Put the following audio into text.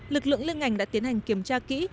lực lượng liên ngành đã tiến hành kiểm tra kỹ